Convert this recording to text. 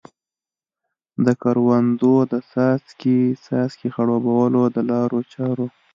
د کروندو د څاڅکې څاڅکي خړوبولو د لارو چارو.